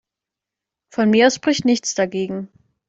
Von mir aus spricht nichts dagegen.